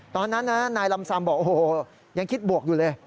ตอนนั้นนะนายลำซำบอกโอ้โหยังคิดบวกอยู่เลย